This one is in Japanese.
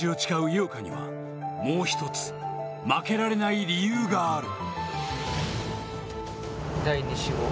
井岡にはもう一つ負けられない理由がある。